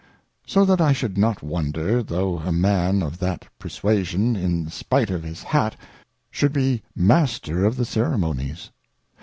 So that I should not wonder, though a Man of that Perswasion, in spite of his Hat, should be Master of the Ceremonies.